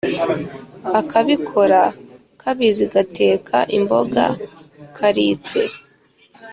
Akabikora kabizi gateka imboga karitse.